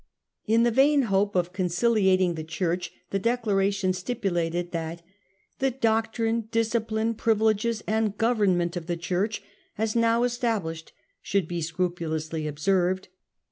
In the vain hope of conciliating the Church, the declaration stipulated that the 4 doctrine, discipline, privileges, and government of the Church as now established ' should be scrupulously observed.